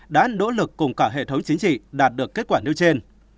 đã nỗ lực cùng cả hệ thống chính trị đạt được kết quả nêu trên